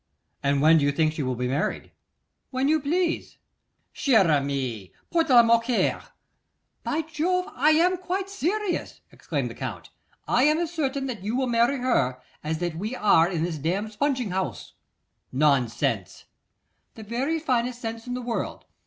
'And when do you think she will be married?' 'When you please.' 'Cher ami! point de moquerie!' 'By Jove, I am quite serious,' exclaimed the Count. 'I am as certain that you will marry her as that we are in this damned spunging house.' 'Nonsense!' 'The very finest sense in the world.